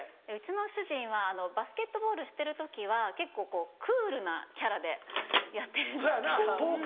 うちの主人はバスケットボールしてる時は結構クールなキャラでやってるんですけど。